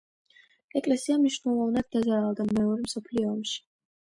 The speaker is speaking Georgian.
ეკლესია მნიშვნელოვნად დაზარალდა მეორე მსოფლიო ომში.